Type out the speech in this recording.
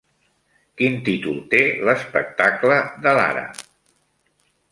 Quin títol té l'espectacle de Lara?